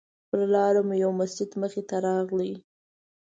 پر لاره مو یو مسجد مخې ته راغی.